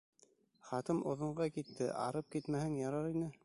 Хатым оҙонға китте, арып китмәһәң ярар ине...